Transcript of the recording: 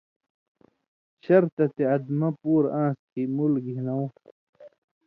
شرطہ تے ادمہ پُور آن٘س کھیں مول گھِنؤں